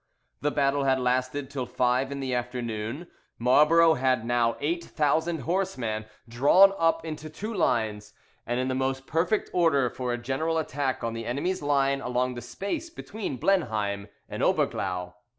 The battle had lasted till five in the afternoon. Marlborough had now eight thousand horseman drawn up in two lines, and in the most perfect order for a general attack on the enemy's line along the space between Blenheim and Oberglau.